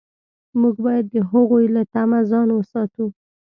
موږ باید د هغوی له طمع ځان وساتو.